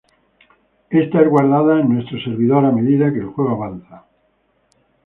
Esta es guardada en nuestro servidor a medida que el juego avanza.